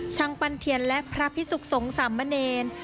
ช่างปันเทียนและพระพิสุกษงศ์สามเมรนดร์